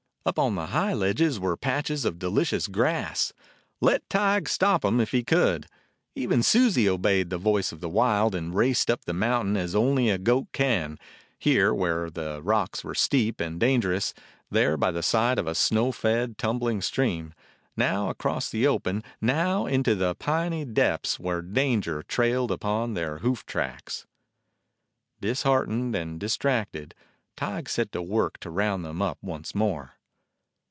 Up on the high ledges were patches of delicious grass; let Tige stop them if he could! Even Susie obeyed the voice of the wild and raced up the mountain as only a goat can, here, where the rocks were steep and dangerous, there by the side of a snow fed 20 A DOG OF THE SIERRA NEVADAS tumbling stream; now across the open, now into the piny depths, where danger trailed upon their hoof tracks. Disheartened and distracted, Tige set to work to round them up once more.